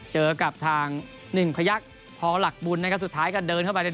เจอกับทางหนึ่งพยักษ์พอหลักบุญนะครับสุดท้ายก็เดินเข้าไป